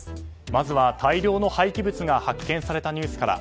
まずは大量の廃棄物が発見されたニュースから。